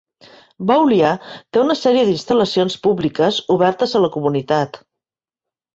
Boulia té una sèrie d'instal·lacions públiques obertes a la comunitat.